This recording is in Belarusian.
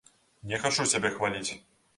Не хачу сябе хваліць!